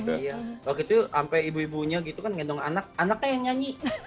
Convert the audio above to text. waktu itu sampai ibu ibunya gitu kan ngendong anak anaknya yang nyanyi